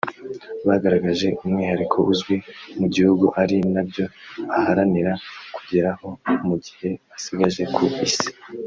bagaragaje umwihariko uzwi mu gihugu ari nabyo aharanira kugeraho mu gihe asigaje ku Isi